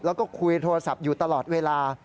แล้วก็คุยโทรศัพท์อยู่ตลอดเวลา